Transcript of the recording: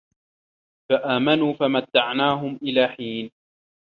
فَآمَنوا فَمَتَّعناهُم إِلى حينٍ